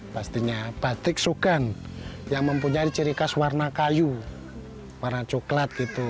pastinya batik sugan yang mempunyai ciri khas warna kayu warna coklat gitu